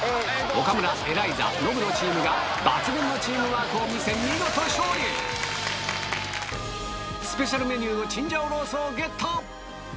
岡村エライザノブのチームが抜群のチームワークを見せスペシャルメニューのチンジャオロースをゲット！